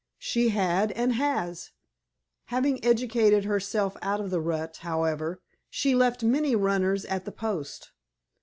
"She had, and has. Having educated herself out of the rut, however, she left many runners at the post.